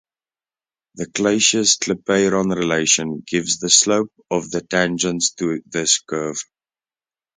The Clausius-Clapeyron relation gives the slope of the tangents to this curve.